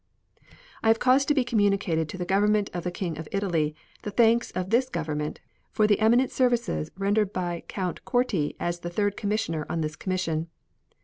I have caused to be communicated to the Government of the King of Italy the thanks of this Government for the eminent services rendered by Count Corti as the third commissioner on this commission.